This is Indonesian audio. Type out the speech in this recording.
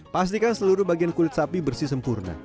pastikan seluruh bagian kulit sapi bersih sempurna